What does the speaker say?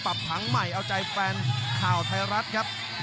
ผังใหม่เอาใจแฟนข่าวไทยรัฐครับ